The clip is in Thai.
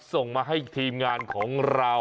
ส่งมาให้ทีมงานของเรา